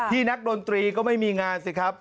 ที่งานรนตรีก็ไม่มีงานซิครับ